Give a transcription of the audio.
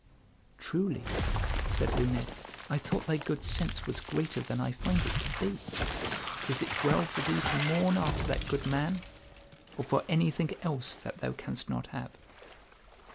"Truly," said Luned, "I thought thy good sense was greater than I find it to be. Is it well for thee to mourn after that good man, or for anything else that thou canst not have?"